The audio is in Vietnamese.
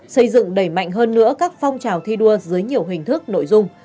xây dựng đẩy mạnh hơn nữa các phong trào thi đua dưới nhiều hình thức nội dung